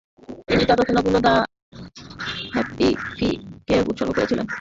তিনি তাঁর রচনাগুলো "the happy ফিউ"কে উৎসর্গ করেছিলেন।